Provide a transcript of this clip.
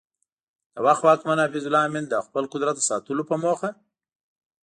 د وخت واکمن حفیظ الله امین د خپل قدرت د ساتلو په موخه